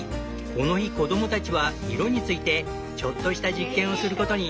この日子供たちは「色」についてちょっとした実験をすることに。